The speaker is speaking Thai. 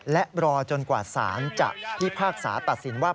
และรอจนกว่าศาลจะพิพากษาตัดสินว่า